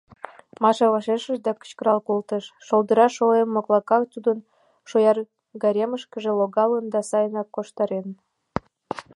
— Маша вашештыш да кычкырал колтыш: шолдыра шолем моклака тудын шоягоремышкыже логалын да сайынак корштарен.